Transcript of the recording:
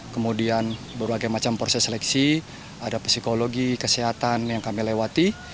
kemudian berbagai macam proses seleksi ada psikologi kesehatan yang kami lewati